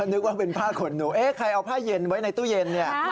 นึกว่าเป็นผ้าขนหนูเอ๊ะใครเอาผ้าเย็นไว้ในตู้เย็นเนี่ย